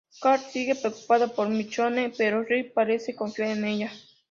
Carl sigue preocupado por Michonne, pero Rick parece confiar en ella.